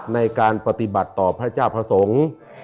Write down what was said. ในการปฏิบัติต่อพระเจ้าพระสงฆ์